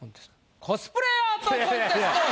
コスプレアートコンテスト！